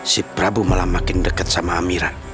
si prabu malah makin dekat sama amira